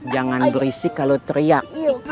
jangan berisik kalau teriak